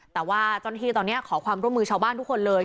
แต่ว่าเจ้าหน้าที่ตอนนี้ขอความร่วมมือชาวบ้านทุกคนเลย